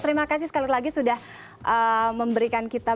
terima kasih sekali lagi sudah memberikan kita